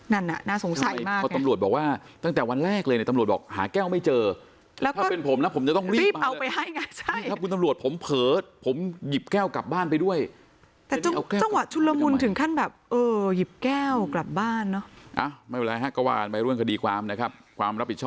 นั่นน่ะน่าสงสัยมาก